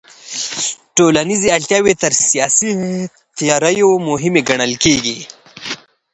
ټولنيزي اړتياوي تر سياسي تيوريو مهمي ګڼل کېږي.